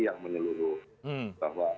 yang menyeluruh bahwa